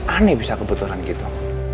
aneh bisa kebetulan gitu